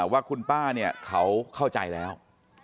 ว่าคุณป้าเนี่ยเขาเข้าใจแล้ว